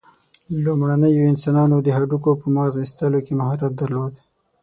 لومړنیو انسانانو د هډوکو په مغزو ایستلو کې مهارت درلود.